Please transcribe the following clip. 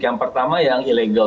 yang pertama yang ilegal